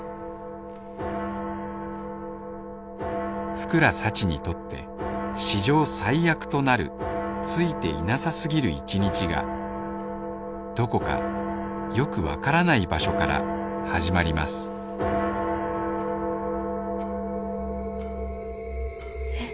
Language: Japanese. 福良幸にとって史上最悪となるついていなさすぎる１日がどこかよく分からない場所から始まりますえっ。